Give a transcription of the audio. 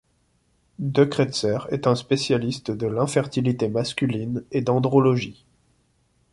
De Kretser est un spécialiste de l'infertilité masculine et d'andrologie.